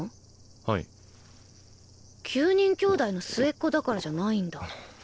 はい９人兄弟の末っ子だからじゃないんだ